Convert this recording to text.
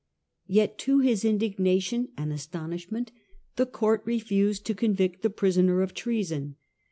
Yet to his indignation and astonishment the Court refused to convict the prisoner of treason.